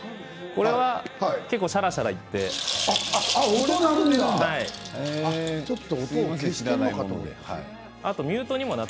これはシャラシャラいいます。